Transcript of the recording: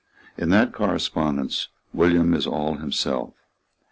In that correspondence William is all himself.